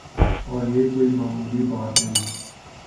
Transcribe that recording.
اور یہ کوئی معمولی بات نہیں۔